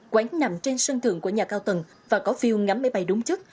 quán nằm trên sân thượng của nhà cao tầng và có phiêu ngắm máy bay đúng chức